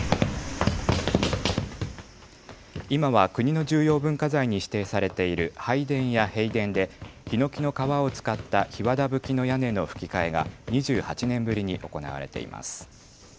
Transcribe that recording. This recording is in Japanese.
今は国の重要文化財に指定されている拝殿や幣殿でひのきの皮を使ったひわだぶきの屋根のふき替えが２８年ぶりに行われています。